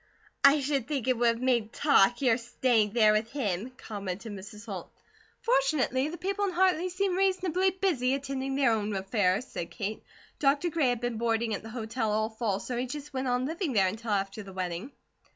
"I should think it would have made talk, your staying there with him," commented Mrs. Holt. "Fortunately, the people of Hartley seem reasonably busy attending their own affairs," said Kate. "Doctor Gray had been boarding at the hotel all fall, so he just went on living there until after the wedding."